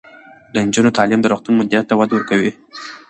د نجونو تعلیم د روغتون مدیریت ته وده ورکوي.